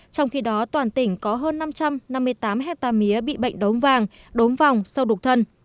trong khi đó toàn tỉnh có hơn năm trăm năm mươi tám hectare mía bị bệnh đốm vàng đốm vòng sau đục thân